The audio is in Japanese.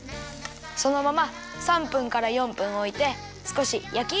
そのまま３分から４分おいてすこしやきいろをつけるよ。